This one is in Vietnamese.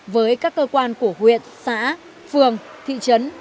với các cơ quan của huyện xã phường thị trấn